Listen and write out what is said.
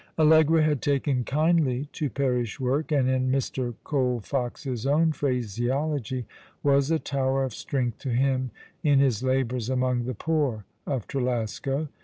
Allegra had taken kindly to parish work, and, in Mr. Colfox's own x^hraseology, was a tower of strength to him in his labours among the poor of Trelasco.